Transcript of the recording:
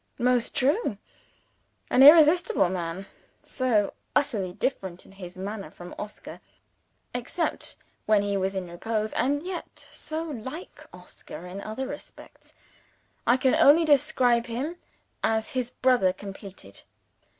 Most true. An irresistible man. So utterly different in his manner from Oscar except when he was in repose and yet so like Oscar in other respects, I can only describe him as his brother completed.